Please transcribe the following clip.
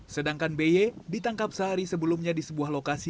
sedangkan by ditangkap sehari sebelumnya di sebuah lokasi